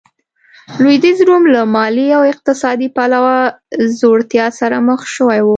لوېدیځ روم له مالي او اقتصادي پلوه ځوړتیا سره مخ شوی و.